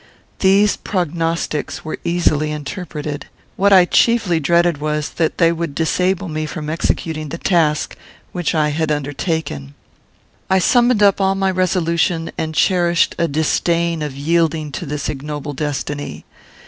These prognostics were easily interpreted. What I chiefly dreaded was, that they would disable me from executing the task which I had undertaken. I summoned up all my resolution, and cherished a disdain of yielding to this ignoble destiny.